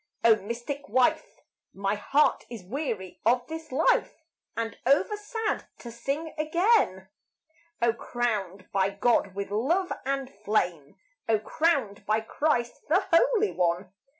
O mystic wife! My heart is weary of this life And over sad to sing again. O crowned by God with love and flame! O crowned by Christ the Holy One!